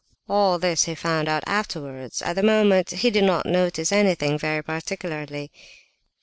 All this he found out afterwards; at the moment he did not notice anything, very particularly.